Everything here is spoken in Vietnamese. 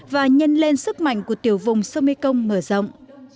và nhân lên sức mạnh của tiểu vùng sông mekong mở rộng